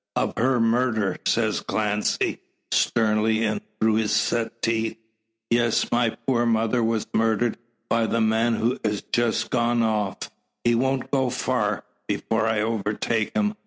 "Of her murder," says Clancy, sternly, and through set teeth. "Yes; my poor mother was murdered by the man who has just gone off. He won't go far, before I overtake him.